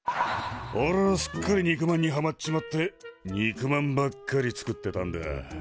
おれはすっかり肉まんにハマっちまって肉まんばっかり作ってたんだ。